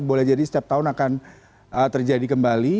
boleh jadi setiap tahun akan terjadi kembali